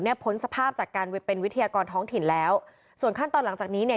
พ้นสภาพจากการเป็นวิทยากรท้องถิ่นแล้วส่วนขั้นตอนหลังจากนี้เนี่ย